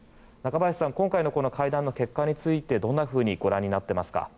中林さん、今回の会談の結果についてどんなふうにご覧になっていますか？